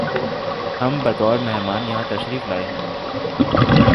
ہم بطور مہمان یہاں تشریف لائے ہیں